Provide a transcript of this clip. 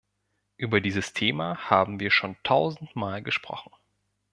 Über dieses Thema haben wir schon tausendmal gesprochen.